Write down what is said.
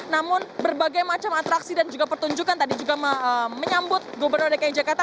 namun berbagai macam atraksi dan juga pertunjukan tadi juga menyambut gubernur dki jakarta